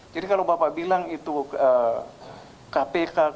jadi kalau bapak bilang itu kpk kpk